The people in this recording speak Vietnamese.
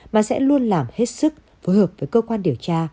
mà sẽ luôn làm hết sức phối hợp với cơ quan điều tra